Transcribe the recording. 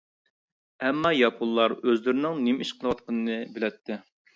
ئەمما ياپونلار ئۆزلىرىنىڭ نېمە ئىش قىلىۋاتقىنىنى بىلەتتى.